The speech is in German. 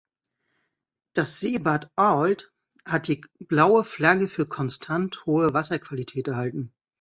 Das Seebad Ault hat die Blaue Flagge für konstant hohe Wasserqualität erhalten.